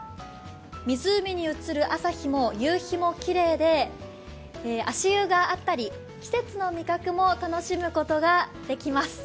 湖に映る朝日も夕日もきれいで、足湯があったり、季節の味覚も楽しむことができます。